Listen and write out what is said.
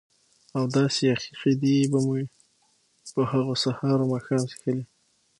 او داسې یخې شیدې به مې په هغو سهار و ماښام څښلې.